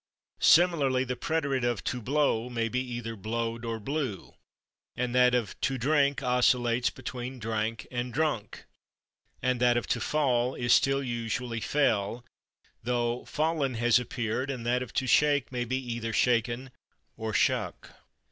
Similarly, the preterite of /to blow/ may be either /blowed/ or /blew/, and that of /to drink/ oscillates between /drank/ and /drunk/, and that of /to fall/ is still usually /fell/, though /fallen/ has appeared, and that of /to shake/ may be either /shaken/ or /shuck